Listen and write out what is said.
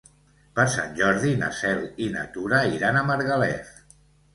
Per Sant Jordi na Cel i na Tura iran a Margalef.